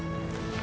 nggak ada airnya